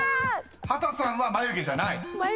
［畑さんは眉毛じゃない？］